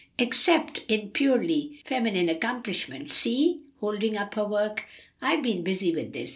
except in purely feminine accomplishments. See!" holding up her work. "I've been busy with this.